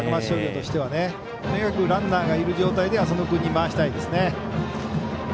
とにかくランナーがいる状態で浅野君に回したいですね。